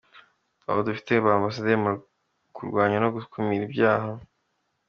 Ati,"Dufite ba ambasaderi mu kurwanya no gukumira ibyaha.